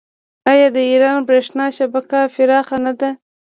آیا د ایران بریښنا شبکه پراخه نه ده؟